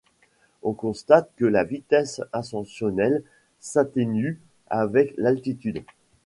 On constate que la vitesse ascensionnelle s'atténue avec l'altitude.